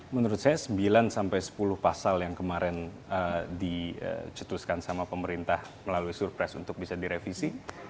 menurut saya sembilan sampai sepuluh pasal yang kemarin dicetuskan sama pemerintah melalui surprise untuk bisa direvisi